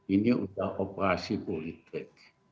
ini sudah operasi politik